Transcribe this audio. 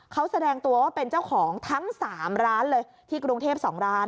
เขาแสดงตัวว่าเป็นเจ้าของทั้ง๓ร้านเลยที่กรุงเทพ๒ร้าน